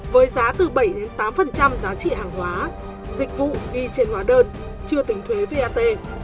với giá từ bảy tám giá trị hàng hóa dịch vụ ghi trên hóa đơn chưa tính thuế vat